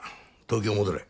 東京戻れ。